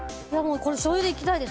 しょうゆでいきたいです。